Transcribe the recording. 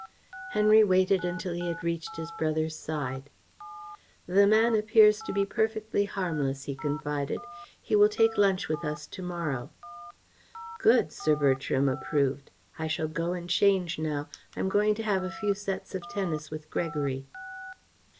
Henry waited until he had reached his brother's side. "The man appears to be perfectly harmless," he confided. "He will take lunch with us to morrow." "Good!" Sir Bertram approved. "I shall go and change now. I am going to have a few sets of tennis with Gregory."